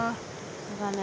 そうだね。